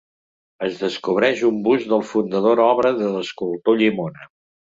Es descobreix un bust del fundador, obra de l'escultor Llimona.